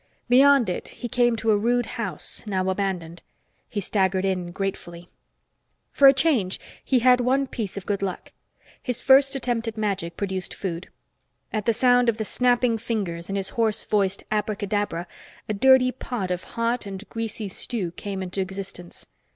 Beyond it, he came to a rude house, now abandoned. He staggered in gratefully. For a change, he had one piece of good luck. His first attempt at magic produced food. At the sound of the snapping fingers and his hoarse voiced "abracadabra," a dirty pot of hot and greasy stew came into existence.